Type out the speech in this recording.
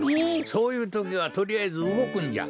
そういうときはとりあえずうごくんじゃ。